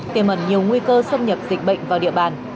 kề mần nhiều nguy cơ xâm nhập dịch bệnh vào địa bàn